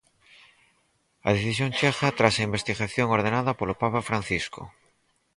A decisión chega tras a investigación ordenada polo papa Francisco.